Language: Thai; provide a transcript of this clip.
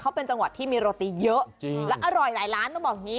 เขาเป็นจังหวัดที่มีโรตีเยอะและอร่อยหลายร้านต้องบอกอย่างนี้